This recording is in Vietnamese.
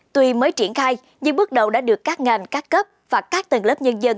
tuy mới triển khai nhưng bước đầu đã được các ngành các cấp và các tầng lớp nhân dân